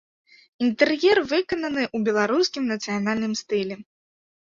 Інтэр'ер выкананы ў беларускім нацыянальным стылі.